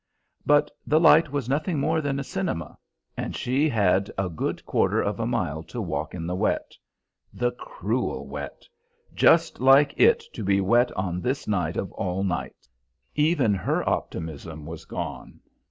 But the light was nothing more than a cinema, and she she had a good quarter of a mile to walk in the wet. The cruel wet! just like it to be wet on this night of all nights! Even her optimism was gone.